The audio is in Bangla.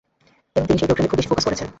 এবং তিনি সেই প্রোগ্রামে খুব বেশি ফোকাস করছেন।